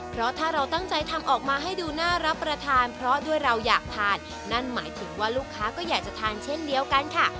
เพราะถ้าเราตั้งใจทำออกมาให้ดูน่ารับประทานเพราะด้วยเราอยากทานนั่นหมายถึงว่าลูกค้าก็อยากจะทานเช่นเดียวกันค่ะ